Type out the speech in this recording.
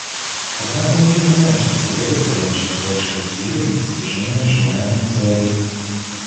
Однако мы признаем, что следует приложить больше усилий для достижения желаемых целей.